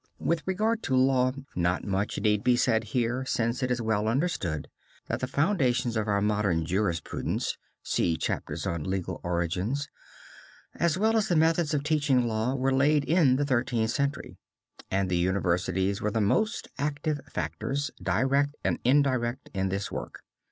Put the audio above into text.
With regard to law, not much need be said here, since it is well understood that the foundations of our modern jurisprudence (see chapters on Legal Origins), as well as the methods of teaching law, were laid in the Thirteenth Century and the universities were the most active factors, direct and indirect, in this work.